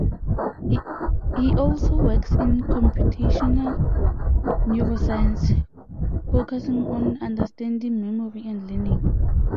He also works in computational neuroscience focusing on understanding memory and learning.